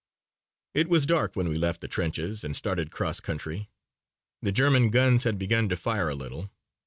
It was dark when we left the trenches and started cross country. The German guns had begun to fire a little.